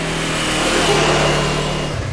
Wa d Newwal!